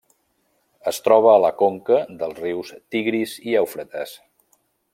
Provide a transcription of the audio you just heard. Es troba a la conca dels rius Tigris i Eufrates.